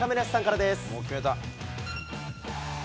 僕、決めた。